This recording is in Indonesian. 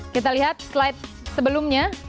kita lihat slide sebelumnya